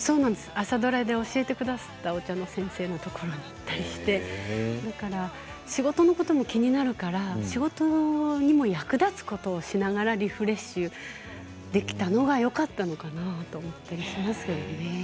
朝ドラで教えてくださったお茶の先生のところに行ったりして仕事のことも気になるから仕事にも役立つことをしながらリフレッシュできたのがよかったかなと思ったりします。